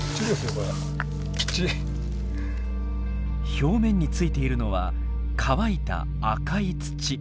表面についているのは乾いた赤い土。